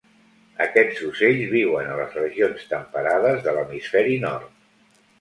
Aquests ocells viuen a les regions temperades de l'hemisferi nord.